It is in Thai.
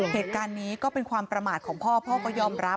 เหตุการณ์นี้ก็เป็นความประมาทของพ่อพ่อก็ยอมรับ